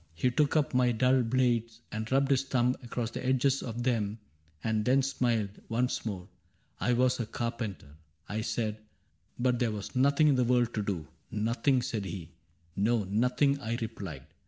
He took up my dull blades and rubbed his thumb Across the edges of them and then smiled Once more. — 'I was a carpenter,' I said, * But there was nothing in the world to do.* * Nothing ?' said he. — 'No, nothing,* I replied.